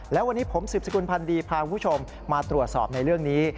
และวันนี้ผมสืบสกุลพันธ์ดีพาคุณผู้ชมมาตรวจสอบในเรื่องนี้